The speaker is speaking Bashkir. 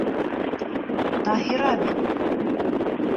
Таһира бит...